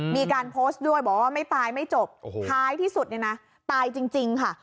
มีการโพสต์ด้วยบอกว่าไม่ตายไม่จบท้ายที่สุดเนี่ยนะตายจริงค่ะ